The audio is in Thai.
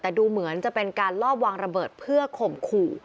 แต่ดูเหมือนจะเป็นการลอบวางระเบิดเพื่อข่มขู่